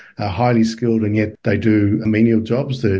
dengan kemampuan yang tinggi dan tetapi mereka melakukan pekerjaan menial